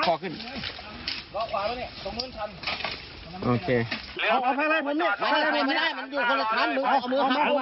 โอเคเอาไปอะไรคนนั้นใช่ไปไปไม่ได้เหมือนดู๘๑๘๐๘๐